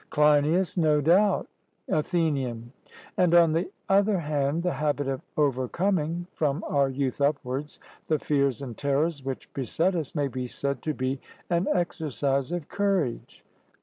CLEINIAS: No doubt. ATHENIAN: And, on the other hand, the habit of overcoming, from our youth upwards, the fears and terrors which beset us, may be said to be an exercise of courage.